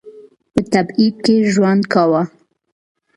په تبعید کې ژوند کاوه.